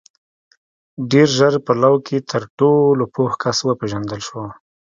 • ډېر ژر په لو کې تر ټولو پوه کس وپېژندل شو.